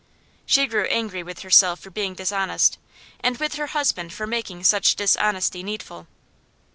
She grew angry with herself for being dishonest, and with her husband for making such dishonesty needful.